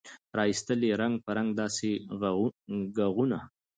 را ایستل یې رنګ په رنګ داسي ږغونه